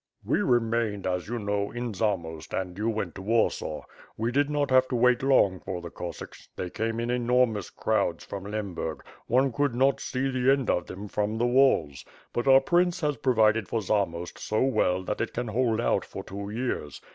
"We remained, as you know, in Zamost and you went to Warsaw. We did not have to wait long for the Cossacks. They came in enormous crowds from Lemburg; one could not see the end of them from the walls. But our prince has provided for Zamost so well that it can hold out for two years.